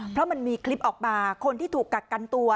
เพราะมันมีคลิปออกมาคนที่ถูกกักกันตัว